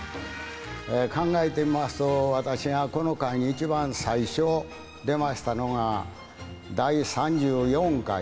考えてみますと私がこの回に一番最初出ましたのが第３４回ですわ。